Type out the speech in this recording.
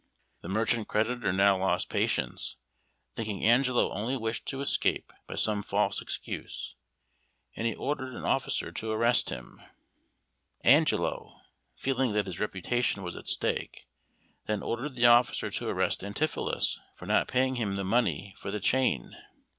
The merchant creditor now lost patience, thinking Angelo only wished to escape by some false excuse, and he ordered an officer to arrest him. Angelo, feeling that his reputation was at stake, then ordered the officer to arrest Antipholus for not paying him the money for the chain.